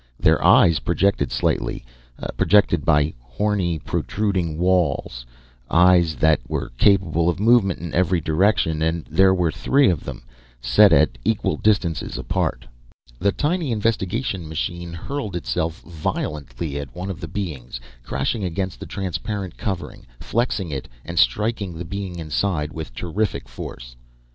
Their eyes projected slightly, protected by horny protruding walls eyes that were capable of movement in every direction and there were three of them, set at equal distances apart. The tiny investigation machine hurled itself violently at one of the beings, crashing against the transparent covering, flexing it, and striking the being inside with terrific force.